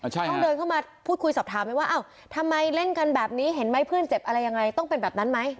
ต้องเดินเข้ามาพูดคุยสอบถามไหมว่าอ้าวทำไมเล่นกันแบบนี้เห็นไหมเพื่อนเจ็บอะไรยังไงต้องเป็นแบบนั้นไหม